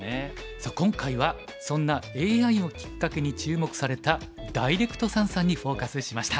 さあ今回はそんなＡＩをきっかけに注目されたダイレクト三々にフォーカスしました。